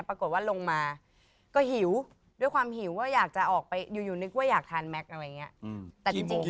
ปรากฏว่าลงมาก็หิวด้วยความหิวว่าอยากจะออกไปอยู่นึกว่าอยากทานแม็กซ์อะไรอย่างนี้